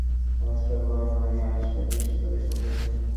ভর্ৎসনার ভয়ে নয়, অরসিকের দৃষ্টিপাতের সংকোচে।